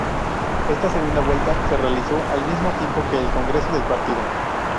Esta segunda vuelta se realizó al mismo tiempo que el congreso del partido.